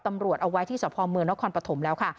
เอาไว้ที่สพเมืองนครปฐมแล้วค่ะ